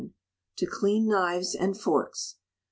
To Clean Knives and Forks.